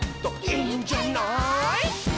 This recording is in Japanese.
「いいんじゃない」